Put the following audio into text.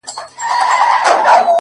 خو هغې دغه ډالۍ،